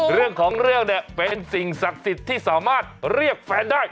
เรื่องของเรื่องเนี่ยเป็นสิ่งศักดิ์สิทธิ์ที่สามารถเรียกแฟนได้